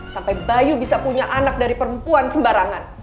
sampai bayu bisa punya anak dari perempuan sembarangan